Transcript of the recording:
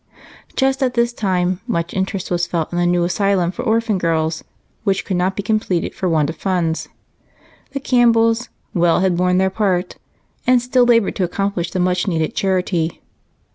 Just at this time much interest was felt in a new asylum for orphan girls, which could not be completed for want of funds. The Campbells well had borne their part and still labored to accomplish the much needed charity.